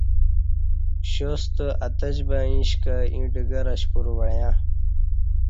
شاستہ اتجبں ایݩشکہ ییں ڈگر اشپرو وعیا ں